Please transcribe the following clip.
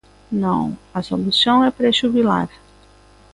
Non, a solución é prexubilar.